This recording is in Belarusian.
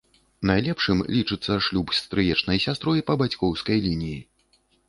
Найлепшым лічыцца шлюб з стрыечнай сястрой па бацькоўскай лініі.